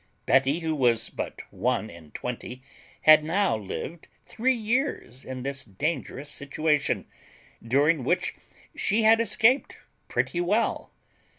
Betty, who was but one and twenty, had now lived three years in this dangerous situation, during which she had escaped pretty well.